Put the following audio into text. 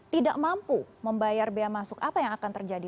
tidak mampu membayar bea masuk apa yang akan terjadi